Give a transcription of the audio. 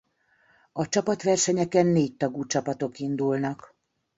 A csapatversenyeken négytagú csapatok indulnak.